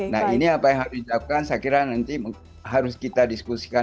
nah ini apa yang harus dijawabkan saya kira nanti harus kita diskusikan